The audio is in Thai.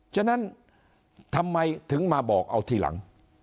ฉะนั้นทำไมถึงมาบอกเอาทีหลัง